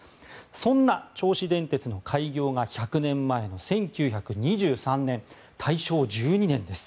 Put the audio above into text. そんな銚子電鉄の開業が１００年前の１９２３年大正１２年です。